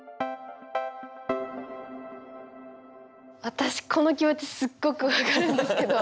私この気持ちすっごく分かるんですけど。